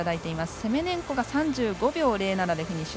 セメネンコが３５秒０７でフィニッシュ。